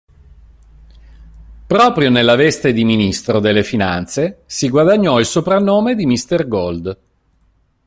Proprio nella veste di Ministro delle Finanze si guadagnò il soprannome di "Mr Gold".